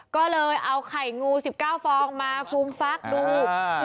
ก็เลยเอาไข่งู๑๙ฟองมาฟูมฟักดู